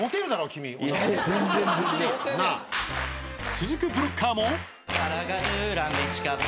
［続くブロッカーも］